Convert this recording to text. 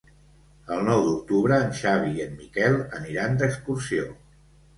El nou d'octubre en Xavi i en Miquel aniran d'excursió.